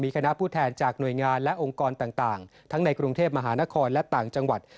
คณะผู้แทนจากหน่วยงานและองค์กรต่างทั้งในกรุงเทพมหานครและต่างจังหวัด